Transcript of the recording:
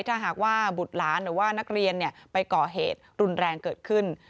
ถ้าหากว่าบุตรหลานหรือว่านักเรียนไปก่อเหตุรุนแรงเกิดขึ้น